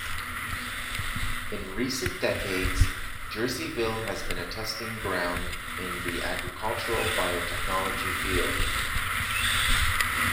In recent decades, Jerseyville has been a testing ground in the agricultural biotechnology field.